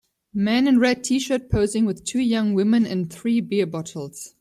Man in red tshirt posing with two young women and three beer bottles.